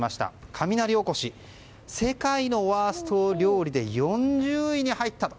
雷おこし、世界のワースト料理で４０位に入ったと。